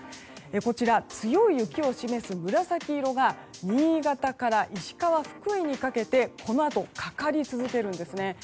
こちら、強い雪を示す紫色が新潟から石川、福井にかけてこのあとかかり続けるんですね。